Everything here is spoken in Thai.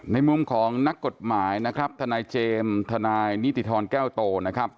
ในมุมของนักกฎหมายนะครับทนายเจมส์ทนายนิติธรแก้วโตนะครับ